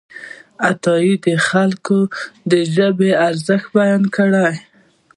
عطايي د خلکو د ژبې ارزښت بیان کړی دی.